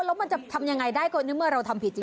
แล้วมันจะทำยังไงได้ก็ในเมื่อเราทำผิดจริง